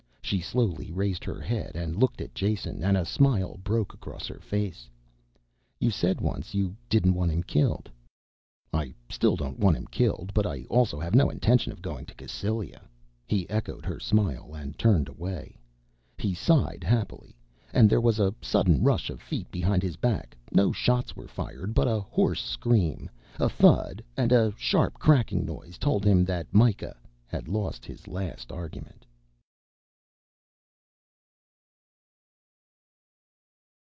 She slowly raised her head and looked at Jason and a smile broke across her face. "You said once you didn't want him killed." "I still don't want him killed, but I also have no intention of going to Cassylia." He echoed her smile and turned away. He sighed happily and there was a sudden rush of feet behind his back. No shots were fired but a hoarse scream, a thud and a sharp cracking noise told him that Mikah had lost his last argument.